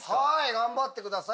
頑張ってください。